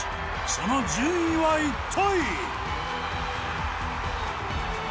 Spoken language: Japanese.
その順位は一体？